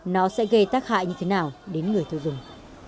nó sẽ gây tác hại như thế nào đến người sử dụng